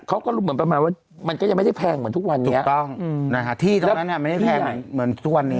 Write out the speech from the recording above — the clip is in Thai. ครับผมคุมชุดเหรอ